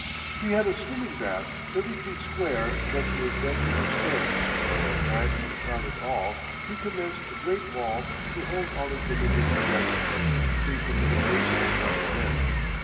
He had a swimming bath thirty feet square next to his bedroom upstairs, and to crown it all he commenced a great wall to hold all his dominions together, free from the invasion of common men.